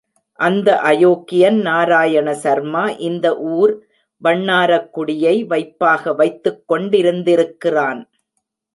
அந்த அயோக்கியன் நாராயண சர்மா, இந்த ஊர் வண்ணாரக் குடியை வைப்பாக வைத்துக் கொண்டிருந்திருக்கிறான்.